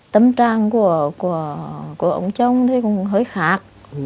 tâm trang của ông chồng thì cũng hơi khác